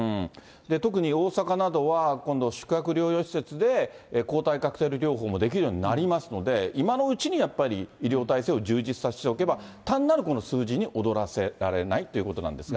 特に大阪などは、今度宿泊療養施設で抗体カクテル療法もできるようになりますので、今のうちにやっぱり医療体制を充実させておけば、単なるこの数字に躍らせられないということなんですが。